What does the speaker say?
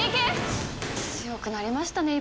強くなりましたね